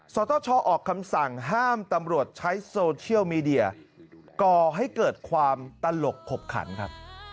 สตชออกคำสั่งห้ามตำรวจใช้โซเชียลมีเดียก่อให้เกิดความตลกขบขันครับ